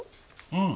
うん。